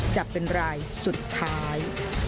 จะเป็นรายสุดท้าย